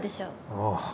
ああ。